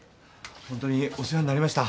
ホントにお世話になりました。